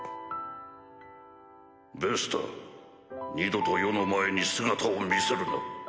ベスター二度と余の前に姿を見せるな。